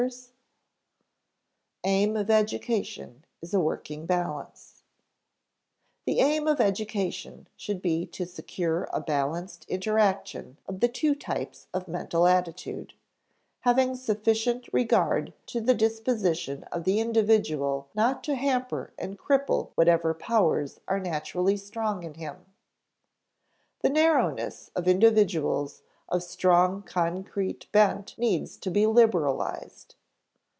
[Sidenote: Aim of education is a working balance] The aim of education should be to secure a balanced interaction of the two types of mental attitude, having sufficient regard to the disposition of the individual not to hamper and cripple whatever powers are naturally strong in him. The narrowness of individuals of strong concrete bent needs to be liberalized.